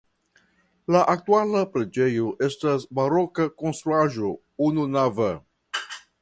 La aktuala preĝejo estas baroka konstruaĵo ununava.